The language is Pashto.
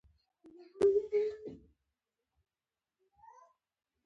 خاموشه خلک تر ټولو اوچت فکرونه لري.